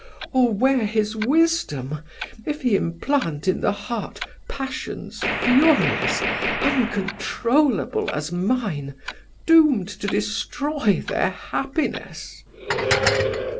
or where his wisdom, if he implant in the heart passions furious uncontrollable as mine, doomed to destroy their happiness?"